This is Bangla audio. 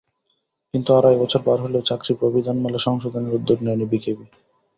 কিন্তু আড়াই বছর পার হলেও চাকরি প্রবিধানমালা সংশোধনের উদ্যোগ নেয়নি বিকেবি।